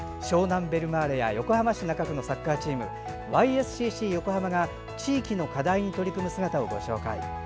湘南ベルマーレや横浜市中区のサッカーチームＹ．Ｓ．Ｃ．Ｃ．横浜が地域の課題に取り組む姿をご紹介。